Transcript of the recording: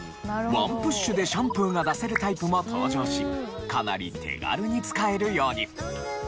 ワンプッシュでシャンプーが出せるタイプも登場しかなり手軽に使えるように。